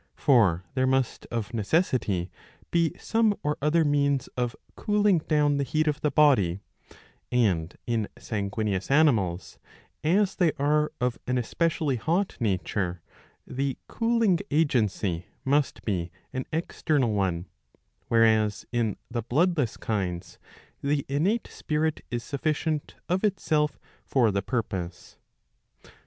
For there must of necessity be some or other means of cooling down the heat of the body ; and in sanguineous animals, as they are of an especially hot nature, the cooling agency must be an external one ; whereas in the bloodless kinds the innate spirit is sufficient . of itself for the purpose.